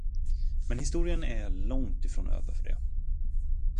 Men historien är långt ifrån över för det.